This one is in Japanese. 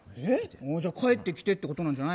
じゃあ帰ってきてってことじゃないの？